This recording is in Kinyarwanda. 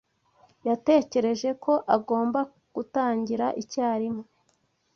Yatekereje ko agomba gutangira icyarimwe